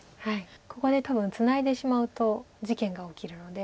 ここで多分ツナいでしまうと事件が起きるので。